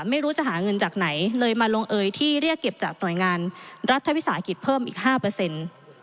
ไม่รู้จะหาเงินจากไหนเลยมาลงเอยที่เรียกเก็บจากหน่วยงานรัฐวิสาหกิจเพิ่มอีกห้าเปอร์เซ็นต์